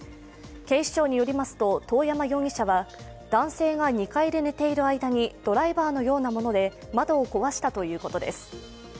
警視庁によりますと、遠山容疑者は男性が２階で寝ている間にドライバーのようなもので窓を壊したということです。